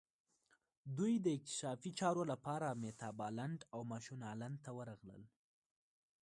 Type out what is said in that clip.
دوی د اکتشافي چارو لپاره میتابالنډ او مشونالند ته ورغلل.